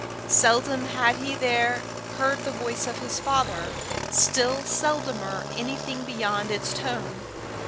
Seldom had he there heard the voice of his father, still seldomer anything beyond its tone.